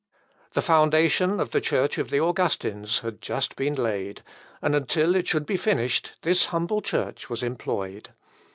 The foundation of the church of the Augustins had just been laid, and until it should be finished this humble church was employed.